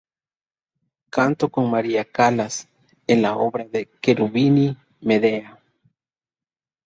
Cantó con Maria Callas en la obra de Cherubini "Medea".